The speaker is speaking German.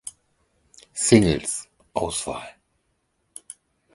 Singles (Auswahl)